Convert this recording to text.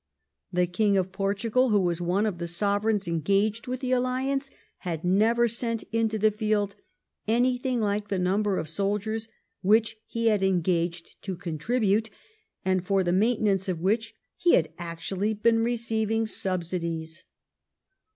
The King of Portugal, who was one of the Sovereigns engaged with the alliance, had never sent into the field anything like the number of soldiers which he had engaged to contribute and for the maintenance of which he had actually been receiving subsidies.